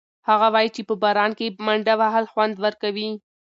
هغه وایي چې په باران کې منډه وهل خوند ورکوي.